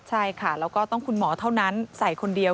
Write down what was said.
ใช่ค่ะแล้วก็ต้องคุณหมอเท่านั้นใส่คนเดียว